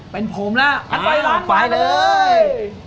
เป็นผมล่ะไปเลย